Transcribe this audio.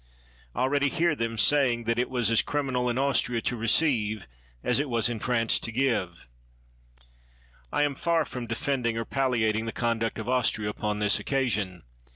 I already hear them saying that it was as criminal in Austria to receive as it was in France to give. I am far from defending 9 THE WORLD'S FAMOUS ORATIONS or palliating the conduct of Austria upon this occasion.